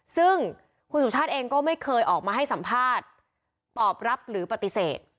ซึ่งคุณสุชาติเองก็ไม่เคยออกมาให้สัมภาษณ์ตอบรับหรือปฏิเสธ